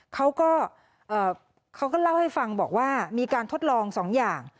เขาก็เล่าให้ฟังบอกว่ามีการทดลอง๒อย่าง